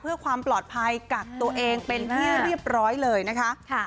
เพื่อความปลอดภัยกักตัวเองเป็นที่เรียบร้อยเลยนะคะ